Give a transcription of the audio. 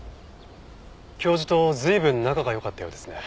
教授と随分仲が良かったようですね。